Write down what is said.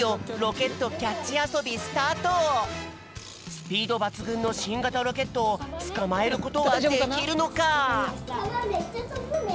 スピードばつぐんのしんがたロケットをつかまえることはできるのか！？